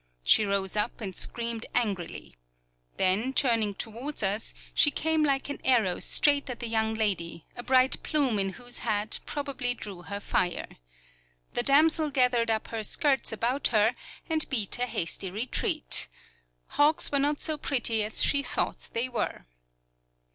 She rose up and screamed angrily. Then, turning toward us, she came like an arrow straight at the young lady, a bright plume in whose hat probably drew her fire. The damsel gathered up her skirts about her and beat a hasty retreat. Hawks were not so pretty as she thought they were.